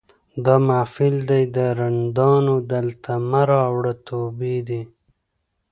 دا محفل دی د رندانو دلته مه راوړه توبې دي